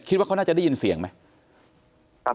คิดว่าเขาน่าจะได้ยินเสียงไหม